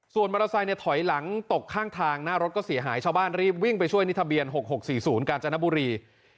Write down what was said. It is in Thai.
ส่วนมอเตอร์ไซค์เนี่ยถอยหลังตกข้างทางหน้ารถก็เสียหายชาวบ้านรีบวิ่งไปช่วยนี่ทะเบียน๖๖๔๐กาญจนบุรี